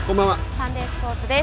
サンデースポーツです。